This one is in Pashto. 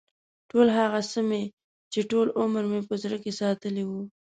ټول هغه څه مې چې ټول عمر مې په زړه کې ساتلي و.